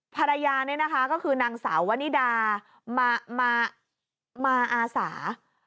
ภรรยานี่นะคะก็คือนางสาววนิดามาอาสา